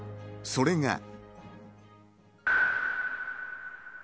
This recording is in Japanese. それが。